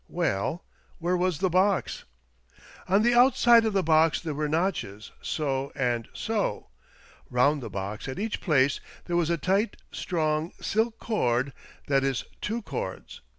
Well, where was the box ?"" On the outside of the box there were notches — so, and so. Bound the box at each place there was a tight, strong, silk cord — that is two cords.